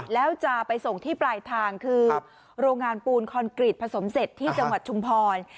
แล้วจะไปส่งที่ปลายทางคือโรงงานปูนคอนกรีตผสมเสร็จที่จังหวัดชุมพร